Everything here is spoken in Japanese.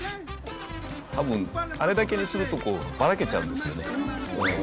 多分あれだけにするとこうばらけちゃうんですよね。